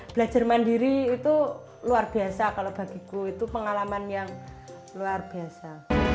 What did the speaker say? belajar mandiri itu luar biasa kalau bagiku itu pengalaman yang luar biasa